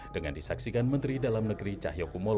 dengan disaksikan menteri dalam negeri cahyokumolo